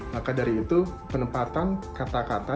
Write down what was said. maka dari itu penempatan kata kata